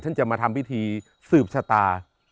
จะมาทำพิธีสืบชะตา